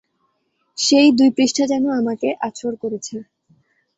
সেই দুই পৃষ্ঠা যেন আমাকে আছর করেছে।